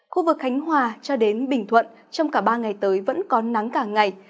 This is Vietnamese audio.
khu vực khánh hòa cho đến bình thuận trong cả ba ngày tới vẫn có nắng cả ngày